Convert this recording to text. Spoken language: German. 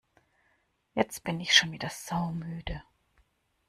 Jetzt bin ich schon wieder saumüde!